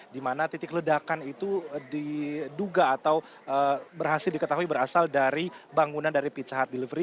di mana titik ledakan itu diduga atau berhasil diketahui berasal dari bangunan dari pizza hut delivery